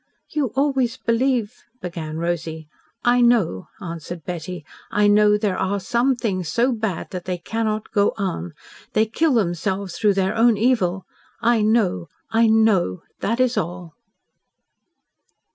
"You always believe " began Rosy. "I know," answered Betty. "I know there are some things so bad that they cannot go on. They kill themselves through their own evil. I KNOW! I KNOW! That is all."